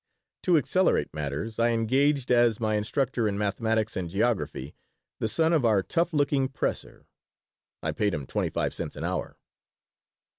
To accelerate matters I engaged, as my instructor in mathematics and geography, the son of our tough looking presser. I paid him twenty five cents an hour.